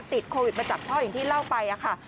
ติดโควิดมาจากพ่ออย่างที่เล่าไปค่ะ